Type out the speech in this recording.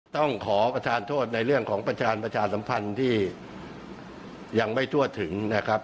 ต้องขอประทานโทษในเรื่องของประชาสัมพันธ์ที่ยังไม่ทั่วถึงนะครับ